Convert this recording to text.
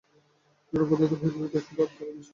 জড়পদার্থ ও বহির্জগৎ শুধু আত্মারই অবস্থাবিশেষ।